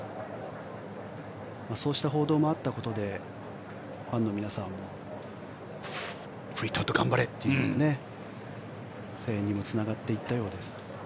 そうした報道もあったことでファンの皆さんもフリートウッド、頑張れという声援にもつながっていったようです。